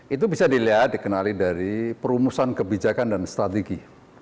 itu bisa dilihat dikenali dari perumusan kebijakan dan strategi